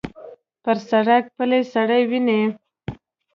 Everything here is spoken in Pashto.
پر سړک پلی سړی وینې.